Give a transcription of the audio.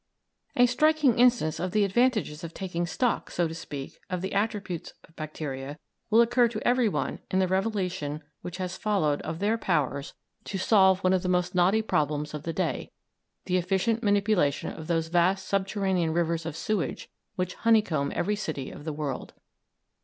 A striking instance of the advantages of taking stock, so to speak, of the attributes of bacteria will occur to everyone in the revelation which has followed of their powers to solve one of the most knotty problems of the day the efficient manipulation of those vast subterranean rivers of sewage which honeycomb every city of the world.